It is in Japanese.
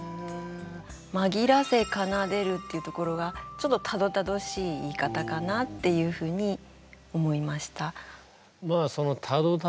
「まぎらせ奏でる」っていうところがちょっとたどたどしい言い方かなっていうふうに思いました。